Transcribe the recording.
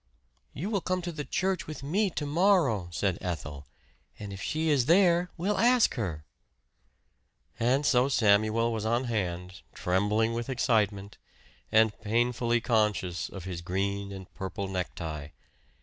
"You will come to church with me to morrow," said Ethel. "And if she is there we'll ask her." And so Samuel was on hand, trembling with excitement, and painfully conscious of his green and purple necktie.